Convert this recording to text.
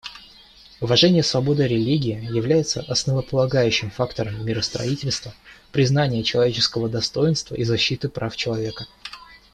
Уважение свободы религии является основополагающим фактором миростроительства, признания человеческого достоинства и защиты прав человека.